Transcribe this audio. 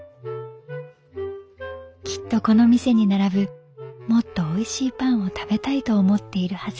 「きっとこの店に並ぶもっとおいしいパンを食べたいと思っているはず」。